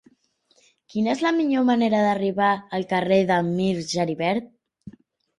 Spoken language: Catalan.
Quina és la millor manera d'arribar al carrer de Mir Geribert?